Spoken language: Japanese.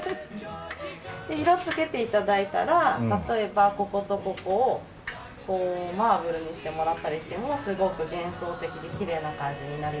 で色つけて頂いたら例えばこことここをこうマーブルにしてもらったりしてもすごく幻想的できれいな感じになります。